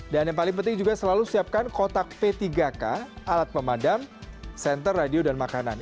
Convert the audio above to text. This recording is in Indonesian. dan yang paling penting juga selalu siapkan kotak p tiga k alat pemadam senter radio dan makanan